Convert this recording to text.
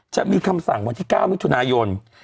จะมีคำสั่งวันที่๙มิถุนายน